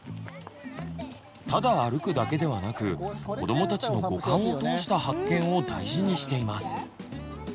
ただ歩くだけではなく子どもたちの五感を通した発見を大事にしています。